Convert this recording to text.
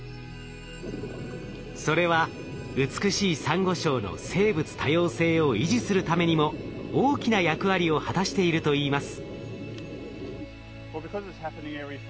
それは美しいサンゴ礁の生物多様性を維持するためにも大きな役割を果たしているといいます。